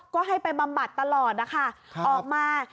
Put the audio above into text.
ก็ให้ไปบำบัดตลอดนะคะออกมา